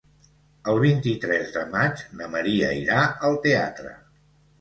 El vint-i-tres de maig na Maria irà al teatre.